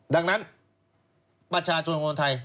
ดังนั้นประชาชนคนไทย